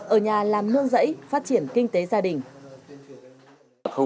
ở nhà làm nương rẫy phát triển kinh tế gia đình